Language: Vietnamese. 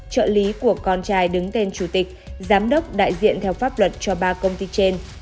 trợ lý của con trai đứng tên chủ tịch giám đốc đại diện theo pháp luật cho ba công ty trên